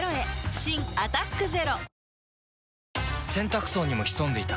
新「アタックＺＥＲＯ」洗濯槽にも潜んでいた。